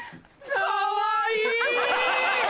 かわいい！